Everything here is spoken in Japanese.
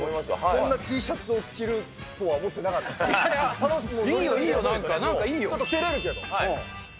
こんなＴシャツを着るとは思っていいよ、いいよ、なんかいいちょっとてれるけど。